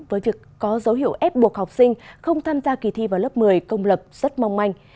với việc có dấu hiệu ép buộc học sinh không tham gia kỳ thi vào lớp một mươi công lập rất mong manh